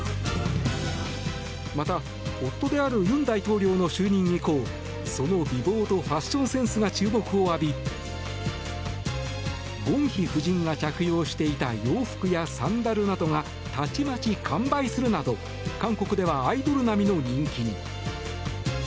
また、夫である尹大統領の就任以降その美貌とファッションセンスが注目を浴びゴンヒ夫人が着用していた洋服やサンダルなどがたちまち完売するなど韓国ではアイドル並みの人気に。